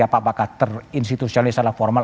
apa apakah terinstitusionalisalah formal